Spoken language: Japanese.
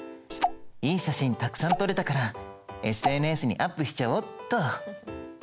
「いい写真たくさん撮れたからＳＮＳにアップしちゃおうっと！」。